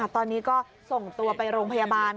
ตอนนี้ก็ส่งตัวไปโรงพยาบาล